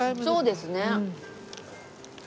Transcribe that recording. そうですね。